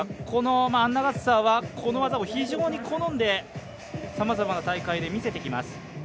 このアンナ・ガッサーはこの技を非常に好んでさまざまな大会で見せてきます。